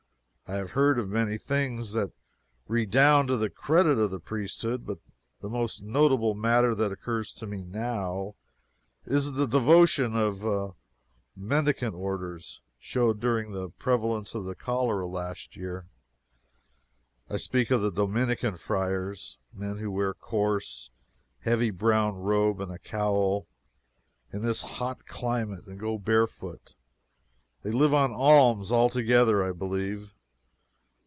I have heard of many things that redound to the credit of the priesthood, but the most notable matter that occurs to me now is the devotion one of the mendicant orders showed during the prevalence of the cholera last year. I speak of the Dominican friars men who wear a coarse, heavy brown robe and a cowl, in this hot climate, and go barefoot. They live on alms altogether, I believe.